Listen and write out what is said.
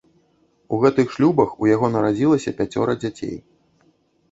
У гэтых шлюбах у яго нарадзілася пяцёра дзяцей.